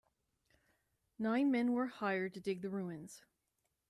Nine men were hired to dig the ruins.